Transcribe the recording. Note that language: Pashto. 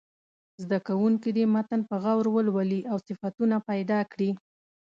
زده کوونکي دې متن په غور ولولي او صفتونه پیدا کړي.